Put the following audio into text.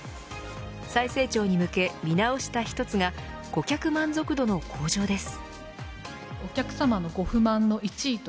再成長に向け見直した一つが顧客満足度の向上です。